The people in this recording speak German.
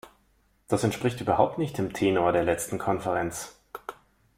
Das entspricht überhaupt nicht dem Tenor der letzten Konferenz.